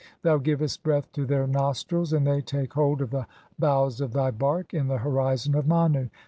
'Thou givest breath to their nostrils and they take hold of the 'bows of thy bark (24) in the horizon of Manu.